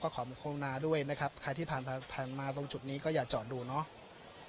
ขอโฆาด้วยนะครับใครที่ผ่านผ่านมาตรงจุดนี้ก็อย่าจอดดูเนาะ